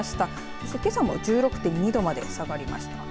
そして、けさも１６．２度まで下がりました。